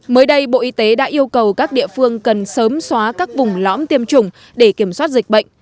mới đây bộ y tế đã yêu cầu các địa phương cần sớm xóa các vùng lõm tiêm chủng để kiểm soát dịch bệnh